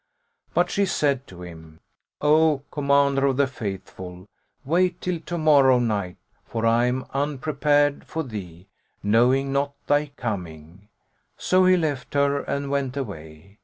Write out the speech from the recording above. But she said to him, "O Commander of the Faithful wait till to morrow night, for I am unprepared for thee, knowing not of thy coming." So he left her and went away.